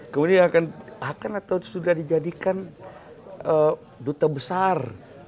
kemudian akan atau sudah dijadikan duta besar